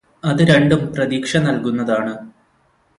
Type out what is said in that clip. അത് രണ്ടും പ്രതീക്ഷ നല്കുന്നതാണ്